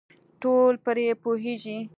ټول پرې پوهېږي .